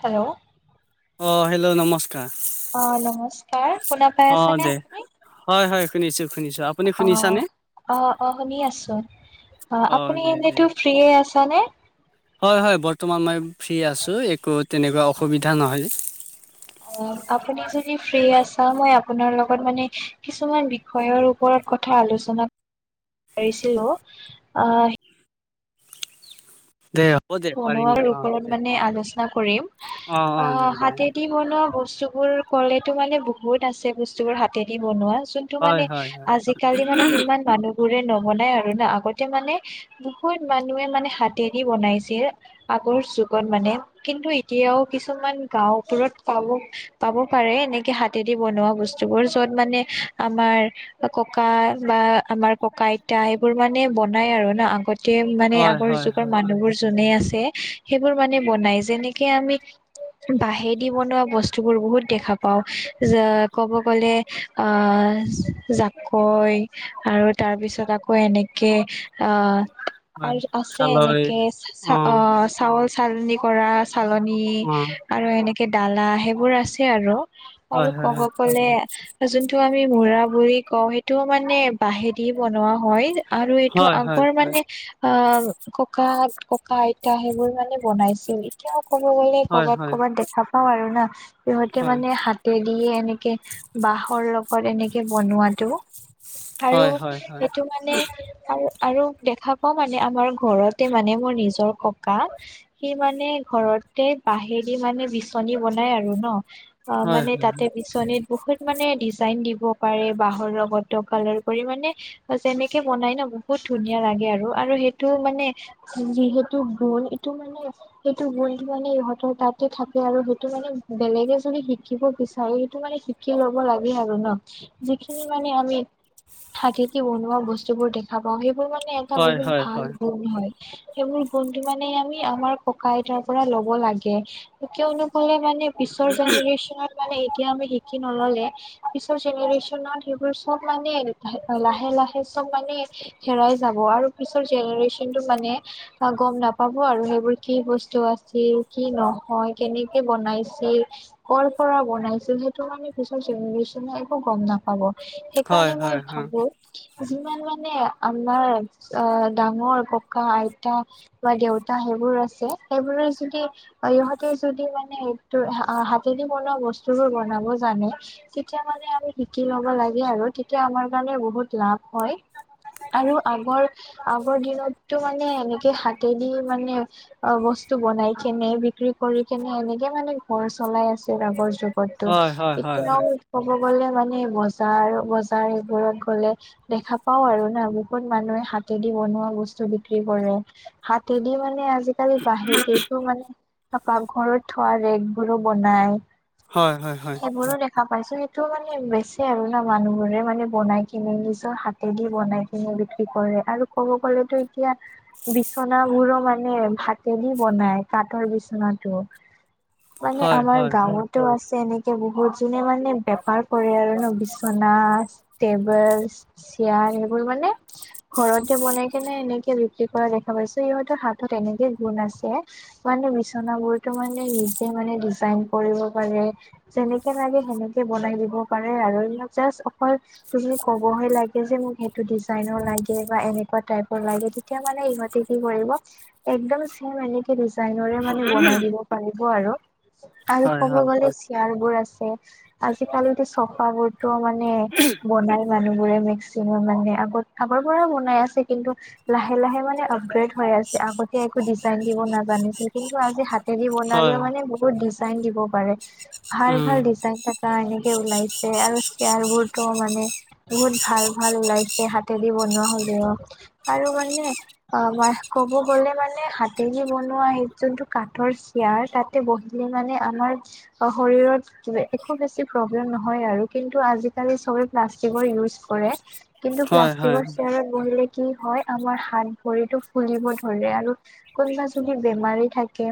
Hello অ hello নমস্কাৰ অ', নমস্কাৰ শুনা পায় অ আছা নে দে আপুনি? হয় হয় শুনিছো শুনিছো আপুনি অ', শুনিছানে অ', অ', শুনি আছোঁ। অ', আপুনি দে দে এনেটো ফ্ৰিয়ে আছা নে? হয় হয়, বৰ্তমান মই ফ্ৰী আছোঁ, একো তেনেকুৱা অসুবিধা নহয়। অ', আপুনি যদি ফ্ৰী আছা, মই আপোনাৰ লগত মানে কিছুমান বিষয়ৰ ওপৰত কথা আলোচনা কৰিছিলোঁ, আহ দে দে পাৰিম বনোৱাৰ দে অ ওপৰত দে মানে অ আলোচনা কৰিম, অ অ আহ দে দে হাতেদি বনোৱা বস্তু বস্তুবোৰ ক'লেতো মানে বহুত আছে, বস্তু বোৰ হাতে দি বনোৱা যোনটো হয় মানে হয় হয় আজিকালি মানে সিমান মানুহ বোৰে নবনাই আৰু না, আগতে মানে বহুত মানুহে মানে হাতেদি বনাইছে যিয়ে, আগৰ যুগত মানে, কিন্তু এতিয়াও কিছুমান গাওঁবোৰত পাব পাব পাৰে, এনেকে হাতেদি বনোৱা বস্তু বোৰ, য'ত মানে আমাৰ ককা বা আমাৰ ককা আইতা, এইবোৰ মানে বনাই আৰু না, আগতে মানে হয় আগৰ হয় যুগৰ হয় মানুহ বোৰ আছে, সেইবোৰ মানে বনাই, যেনেকে আমি বাঁহেদি বনোৱা বস্তুবোৰ বহুত দেখা পাওঁ, যে ক'ব গ'লে আহ জাকৈ, আৰু তাৰপিছত আকৌ এনেকে হয় আৰু আছে, খালৈ এনেকে চা অ', চাউল চালনি কৰা চালনী, আৰু এনে কে দালা, সেইবোৰ আছে আৰু, অ আৰু ক'ব গ'লে যোনটো টো আমি মৰা বুলি কওঁ, সেইটোৱো মানে বাঁহেদি বনোৱা হয়। আৰু এইটো, হয় হয় আগৰ হয় মানে অ' ককা ককা আইতা সেইবোৰ মানে বনাইছিল, এতিয়া ক'ব গ'লে হয় ক'বাত হয় ক'বাত দেখা পাওঁ আৰু না। সিহঁতে হয় মানে হাতে দিয়ে, এনেকে বাঁহৰ লগত এনেকে বনোৱাটো আৰু হয় হয় হয় সেইটো মানে, আৰু আৰু দেখা পাওঁ মানে, আমাৰ ঘৰতে মানে মোৰ নিজৰ ককা, সি মানে ঘৰতে বাঁহেদি মানে বিচনী বনাই আৰু ন' অ', হয় মানে হয় তাতে বিচনীৰ বহুত মানে ডিজাইন দিব পাৰে, বাঁহৰ লগত কালাৰ কৰি মানে, যেনেকে বনাই ন', বহুত ধুনীয়া লাগে আৰু, আৰু সেইটো মানে যিহেতু গুণ এইটো মানে সেইটো গুণ মানে ইহঁতৰ তাতে থাকে আৰু সেইটো মানে বেলেগে যদি শিকিব বিচাৰে সেইটো মানে শিকি ল'ব লাগে আৰু ন যিখিনি মানে আমি হাতেদি বনোৱা বস্তু বোৰ দেখা পাওঁ। সেইবোৰ মানে এটা হয় বহুত হয় ভাল হয় গুণ হয়। সেইবোৰ গুণটো মানে আমি আমাৰ ককা আইতাৰ পৰা ল'ব লাগে, কিয়নো ক'লে মানে পিছৰ জেনেৰেশ্যনত এতিয়া আমি শিকি নললে পিছৰ জেনেৰেশ্যনত সেইবোৰ চ'ব মানে লাহে লাহে লাহে চব মানে হেৰাই যাব আৰু পিছৰ জেনেৰেচন টো মানে গ'ম নাপাবো আৰু সেইবোৰ কি বস্তু আছিল কি নহয় কেনেকে বনাই। বনাই ছিল কৰ পৰা বনাইছিল, সেইটো মানে পিছৰ জেনেৰেচন নে একো গ'ম নাপাব। সেইকাৰণে হয় মই হয় হয় ভাবো। যিমান মানে আমাৰ অ' ডাঙৰ ককা-আইতা বা দেউতা সেইবোৰ আছে, সেইবোৰে যদি ইহঁতে যদি মানে হাতেদি বনোৱা বস্তু বোৰ বনাব জানে তেতিয়া মানে আমি শিকি ল'ব লাগে। আৰু তেতিয়া আমাৰ কাৰণে বহুত লাভ হয় আৰু আগৰ আগৰ দিনত টো মানে এনেকে হাতে দি মানে অ' বস্তু বনাই কেনে বিক্ৰী কৰি কেনে এনেকে মানে ঘৰ চলাই আছিল আগৰ যুগতো হয় হয় হয় হয় হয় এতিয়াও উৎসৱ গ'লে মানে বজাৰ বজাৰ এইবোৰত গ'লে দেখা পাওঁ আৰু না বহুত মানুহে হাত হাতেদি বনোৱা বস্তু বিক্ৰী কৰে হাতেদি মানে আজিকালি বাহেকিতো মানে। ত পাকঘৰত থোৱা ৰেগ বোৰো বনাই হয় হয় হয় হয় সেইবোৰো দেখা পাইছো। সেই টো মানে বেচে আৰু না মানুহ বোৰে মানে বনাই কিনে নিজৰ হাতে দি বনাই কিনি বিক্ৰী কৰে। আৰু ক'ব গ'লে তো এতিয়া বিচনা বোৰো মানে হাতেদি বনাই কাঠৰ বিচনাটো মানে হয় আমাৰ হয় হয় গাঁৱতো আছে এনেক বহুত যোনে মানে বেপাৰ কৰে আৰু ন, বিচনা, টেবলছ, চেয়া সেইবোৰ মানে, ঘৰতে বনাইকেনে এনে বিক্ৰী কৰা দেখা পাইছো, ইহঁতৰ হাতত এনেকে গুণ আছে, মানে বিচনা বোৰতো মানে নি যিমানে ডিজাইন কৰিব পাৰে, যেনেকে লাগে সেনেকে বনাই দিব পাৰে, [unintelligible] যাচ অকল তুমি ক'বহে লাগে যে মোক সেইটো ডিজাইনৰ লাগে বা এনেকুৱা টাইপৰ লাগে। এতিয়া মানে ইহঁতে কি কৰিব, একদম চেম এনেকে ডিজাইনৰে মানে বনাই দিব পাৰে। ব আৰু। আৰু হয় ক'ব হয় গ'লে হয় চেয়াৰ বোৰ আছে, আজিকালিতো চফাবোৰ টো মানে বনাই মানুহবোৰে মেক্সিমাম মানে আগত-আগৰ পৰাই বনাই আছে। কিন্তু লাহে-লাহে মানে আপগ্ৰেড হৈ আছে, আগতে একো ডিজাইন দিব নাজানিছিল, কিন্তু আজি হাত হেৰি হয় বনালেও মানে বহুত ডিজাইন দিব পাৰে। উম ভাল-ভাল ডিজাইন থাকা এনেকে ওলাইছে, আৰু চ চেয়াৰ বোৰতো মানে, বহুত ভাল-ভাল ওলাইছে হাতেদি বনোৱা হ'লেও। আৰু মানে অ' মই ক'ব গ'লে মানে হাতেদি বনোৱা সেই যোনটো কাঠৰ চেয়াৰ চেয়াৰ, তাতে বহিলে মানে আমাৰ শৰীৰত একো বেছি প্ৰব্লেম নহয় আৰু কিন্ত কিন্তু আজিকালি চবে প্লাষ্টিকৰ ইওছ কৰে, কিন্তু হয় হয় প্লাষ্টিকৰ চেয়াৰত বহিলে কি হয় আমাৰ হাত ভৰিটো ফুলিব ধৰে, আৰু কোনোবা যদি বেমাৰী থাকে।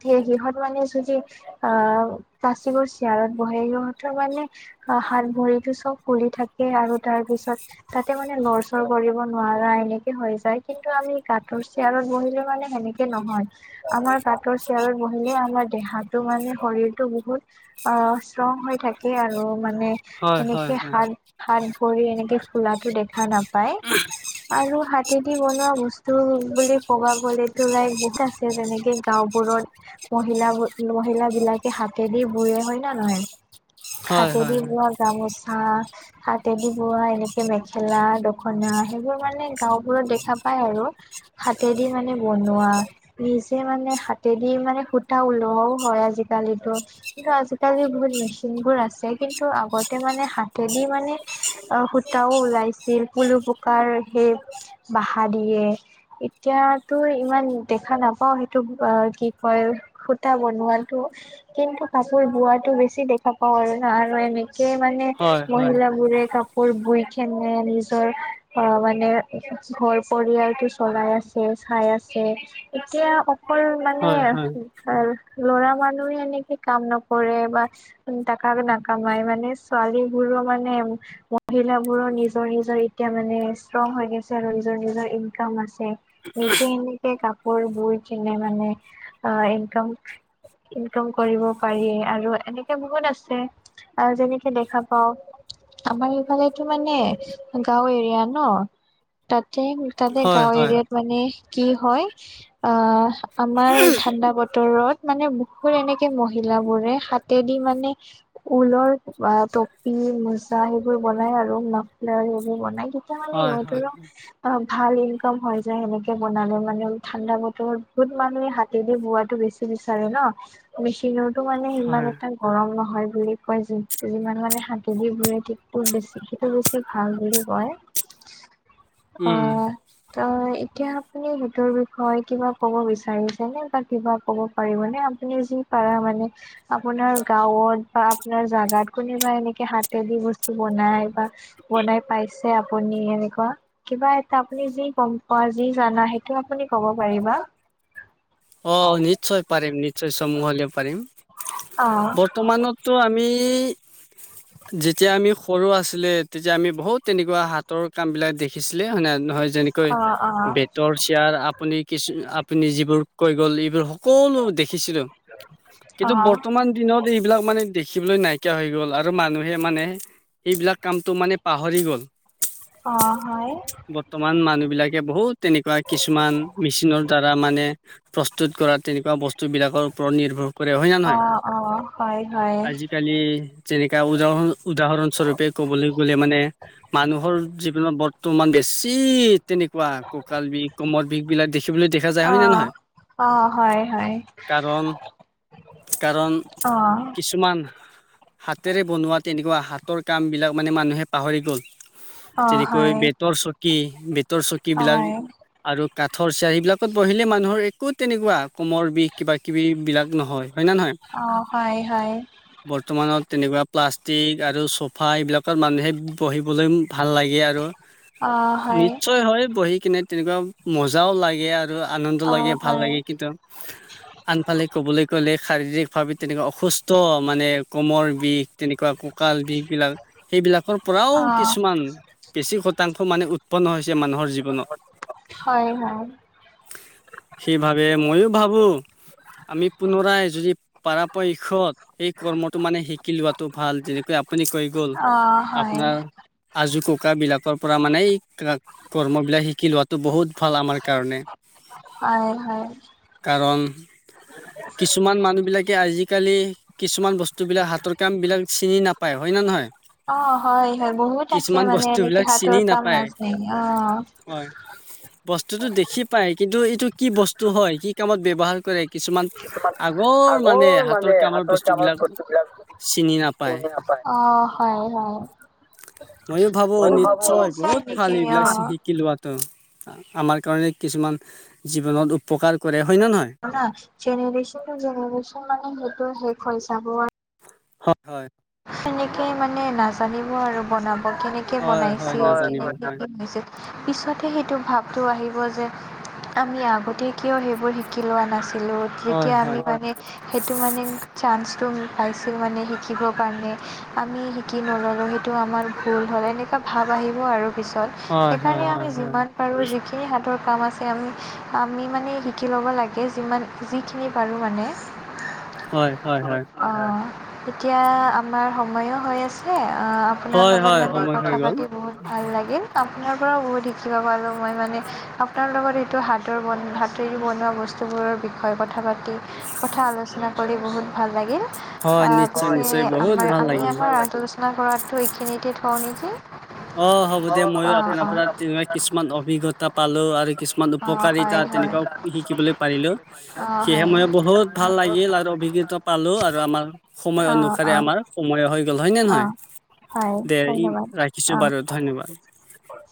থে সিহঁত মানে যদি অ' প্লাষ্টিকৰ চিয়াৰত বহে সিহঁতৰ মানে হাত ভৰিটো চব ফুলি থাকে আৰু তাৰ পিছত তাতে মানে লৰচৰ কৰিব নোৱাৰা এনেকে হৈ যায়, কিন্তু আমি কাঠৰ চেয়াৰত বহিলে মানে সেনেকে নহয়, আমাৰ কাঠৰ চেয়াৰত বহিলে আমাৰ দেহাটো মানে শৰীৰটো বহুত অ' ষ্ট্ৰং হৈ থাকে আৰু মান নে হয় হয় এনেকে হয় হাত-হাত ভৰি এনেকে ফুলাটো দেখা নাপায়, আৰু হাত হাতেদি বনোৱা বস্তু বুলি ক'বা গলেতো লাইক বহুত আছে। যেনেকে গাওঁবোৰত মহিলা-মহিলা বিলাকে হাতেদি বয়ে হয়নে নহয়। হয় হয় হাতেদি বোৱা গামোচা হা, হাতেদি বোৱা এনেকে মেখেলা, দখনা সেইবোৰ মানে গাওঁবোৰত দেখা পায় আৰু। হাতেদি মানে বনোৱা, নিজে মানে হাতেদি মানে সুতা ওলোৱাও হয় আজিকালিতো, কিন্তু আজিকালি বহুত মেচিনবোৰ আ আহিছে, কিন্তু আগতে মানে হাতেদি মানে অ' সূতাও ওলাইছিল পুলু পোক কাৰ সেই বাহা দিয়ে, এতিয়াতো ইমান দেখা নাপাওঁ সেইটো অ' কি কয় সুতা বনোৱাটো, কিন্তু কাপোৰ বোৱাটো বেছি দেখা পাওঁ। আৰু এনেকেই মানে হয় হয় মহিলবোৰে কাপোৰ বোইকেনে নিজৰ অ' মানে ঘৰ পৰিয়ালটো চলাই আছে, চাই আছে, এতিয়া অক অকল মানে হয় হয় শিক্ষাৰ ল'ৰা মানুহে এনেকে কাম নকৰে বা টাকা নাকমাই মানে ছোৱালীবোৰো মানে মহিলাবোৰৰ নিজৰ-নিজৰ এতিয়া মানে ষ্ট্ৰংহৈ গৈছে আৰু নিজৰ-নিজৰ ইনকাম আছে, নিজে এনেকে কাপ কাপোৰ বৈ-বৈ কিনে মানে অ' ইনকাম ইনকাম কৰিব পাৰি আৰু এনেকে বহুত আছে, আ, যেনেকে দেখা পাওঁ। আমাৰ এইফালেতো মানে [inaudible] গাঁও এৰিয়া ন, তাতে-তাতে হয় গাঁও হয় এৰিয়াত মানে কি হয় আ, আমাৰ ঠাণ্ডা বতৰত মানে বহুত এনেকে মহিলা লা বোৰে, হাতেদি মানে ঊলৰ টপি, মোজা সেইবোৰ বনাই আৰু মাফলাৰ সেইবোৰ বনাই তেতিয়া মানে হয় হয় ইহঁতৰো অ' ভাল ইনকাম হৈ যায়, সেনেকে বনালে মানে ঠাণ্ডা বতৰত বহুত মানুহে হাতেদি বোৱাটো বেছি বিচাৰে ন, মেচিনৰতো মানে সিমান হয় এটা গৰম নহয়। হয় বুলি কয়, যি-যিমান মানে হাতেদি বুৰে ঠিকটো বেছি, সেইটো বেছি ভাল। বুলি কয়। উম অ' অ' এতিয়া আপুনি সেইটোৰ বিষয়ে কিবা ক'ব বিচাৰিছেনে বা কিবা ক'ব পাৰিবনে। যি পাৰ মানে আপোনাৰ গাঁৱত বা আপোনাৰ জাগাত কোনোবা এনেকে হাতে দি বস্তু বনাই বা বনাই পাইছে আপুনি এনেকুৱা কিবা এটা আপুনি যি গ'ম পোৱা যি জানা সেইটো আপুনি ক'ব পাৰিবা। পাৰিবা। অ'নিশ্চয় পাৰিম নিশ্চয় চমুহলে পাৰিম। অ', বৰ্তমানতো আমি এই যেতিয়া আমি সৰু আছিলে তেতিয়া আমি বহুত তেনেকুৱা হাতৰ কাম বিলাক দেখিছিলে হয় ন নহয়। যেনেকৈ অ', অ', বেটৰ চেয়াৰ আপুনি কিছু আপুনি যিবোৰ কৈ গ'ল এইবোৰ সোকলো দেখিছিলো। কিন্তু অ', বৰ্তমান দিনত এইবিলাক মানে দেখিবলৈ নাইকিয়া হৈ গ'ল আৰু মানুহে মানে সেইবিলাক কামটো মানে পাহৰি গ'ল। অ' হয়। বৰ্তমান মানুহ বিলাকে বহুত তেনেকুৱা কিছুমান মেচিনৰ দ্বাৰা মানে প্ৰস্তুত কৰা তেনেকুৱা বস্তু বিলাকৰ ওপৰত নিৰ্ভৰ কৰে হয় ন নহয়। অ', অ', হয়, হয়। আজিকালি যেনেকা উদাহৰণ উদাহৰণ স্বৰূপে ক'বলৈ গ'লে মানে মানুহৰ জীৱনত বৰ্ত তোমান বেছি তেনেকুৱা কঁকাল বিষ, কমৰ বিষ বিলাক দেখিবলৈ দেখা যায়, হয় নে অ', নহয়। অ', হয়, হয়। কাৰণ, কাৰণ অ', অ', কিছুমান। হাতেৰে বনোৱা তেনেকুৱা হাতৰ কাম বিলাক মানে মানুহে পাহৰি গ'ল। হয়, তেনেকৈ হয়, বেতৰ চকী বেতৰ চকী বিলাক আৰু কাঠৰ চিয়াৰ সিবিলাকত বহিলে মানুহৰ একো তেনেকুৱা কোমৰ বিষ কিবা কিবি বিলাক নহয়। হয় ন নহয় অ', হয়, হয়। বৰ্তমানত তেনেকুৱা প্লাষ্টিক আৰু চ ফা এইবিলাকত মানুহে বহিবলৈ ভাল লাগে আৰু। অ', হয়, নিশ্চয় হয়, বহি কিনে তেনেকুৱা মজাও লাগে আৰু আনন্দ লাগে। অ', ভাল হয়, লাগে, কিন্তু আনফালে ক'বলৈ গ'লে। শাৰীৰিক ভাৱে তেনেকুৱে অসুস্থ মানে কমৰ বিষ। তেনেকুৱা কঁকাল বিষ বিলাক। সেইবিলাকৰ পৰাও অ', কিছুমান বেছি শতাংশ মানে উৎপন্ন হৈছে মানুহৰ জীৱনত হয়, হয়। সেই ভাবে মইয়ো ভাবো আমি পুনৰাই যদি পৰাপক্ষত সেই কৰ্মটো মানে শিকি লোৱাটো ভাল যেনেকৈ আপুনি কৈ গ'ল। অ', আপুনি [unintelligible] আজোকোক কোকাবিলাকৰ পৰা মানে কৰ্মবিলাক শিকি লোৱাটো বহুত ভাল আমাৰ কাৰণে। হয়, হয়, কাৰণ কিছুমান মানুহ বিলাকে আজি আজিকালি কিছুমান বস্তুবিলাক হাতৰ কামবিলাক চিনি নাপায় হয়নে নহয়। অ' হয়, হয়, বহুত আছে কিছুমান মানে বস্তু এনেকে বিলাক হাতৰ চিনি কাম নাপায় নাজানে অ'। বস্তুতটো দেখি পায়, কিন্তু এইটো কি বস্তু হয়, কি কামত ব্যৱহাৰ কৰে কিছুমান আগৰ আগৰ হাতৰ মানে কামৰ বস্তু হাতৰকে আমাৰ বিলাক বস্তু বিলাক চিনি নাপায় অ, হয়, হয়। ময়ো ভাবো বহুতেই নিশ্চয় আছে বহুত ভাল এনেকে এইবিলাক অ', শিকি লোৱাটো। আমাৰ কাৰণে কিছুমান জীৱনত উপকাৰ কৰে। হয় নে নহয় জনা জেনেৰেচন টো জেনেৰেচন মানে সেইটো শেষ হৈ যাব আৰু হয়, হয়। সেনেকেই মানে নাজানিব আৰু বনাব। কেনেকে হয় হয় বনাইছিল নাজানিব হয় কে পিছতে সেইটো ভাব টো আহিব যে আমি আগতে কিয় সেইবোৰ শিকি লোৱা নাছিলোঁ। হয় তেতিয়া আমি হয় মানে সেইটো মানে চান্স টো পাইছিলোঁ মানে শিকিব। কাৰণে আমি শিকি নল'লোঁ সেইটো আমাৰ ভুল হ'ল এনেকুৱা ভাৱ আহিব আৰু। পিছত হয় হয় সেইকাৰণে হয় আমি হয় যিমান পাৰো যিখিনি হাতৰ কাম আছে, আমি আমি মানে শিকি ল'ব লাগে, যিমান যিখিনি পাৰোঁ মানে হয় হয় হয় অ' এতিয়া আমাৰ সময়ো হৈ আছে। অ' আপোনাৰ হয় লগত হয় মানে সময় হৈ কথা গ'ল পাতি বহুত ভাল লাগিল। আপোনাৰ পৰাও বহুত শিকিব পালোঁ, মই মানে আপোনাৰ লগত এইেটো হাতৰ বন হাতে বনোৱা বস্তুবোৰ বোৰৰ বিষয়ে কথা পাতি কথা আলোচনা কৰি বহুত ভাল লাগিল। হয় অ', নিশ্চয়, পিছে নিশ্চয়। বহুত আমাৰ ভাল আমি লাগিল আমাৰ আ আলোচনা কৰাতো এইখিনিতে থওঁ নেকি। অ' হ'ব দিয় অ'। মইো অ', আপোনাৰ পৰা তেনেকুৱা কিছুমান অভিজ্ঞতা পালো আৰু কিছুমান উপকাৰী হয়, হয়। তেনেকুৱাও শিকিবলৈ পাৰিলো। অ', হয়। সেয়েহে মই বহুত ভাল লাগিল আৰু অভিজ্ঞতা পালো। আৰু আমাৰ সময় অ', অনুসাৰে অ'। আমাৰ সময় হৈ গ'ল হয় নে অ নহয় হয় দে ই ৰা। অ বাৰু, ধন্যবাদ। ধন্যবাদ।